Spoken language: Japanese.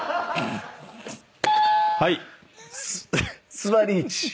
はい。